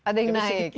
ada yang naik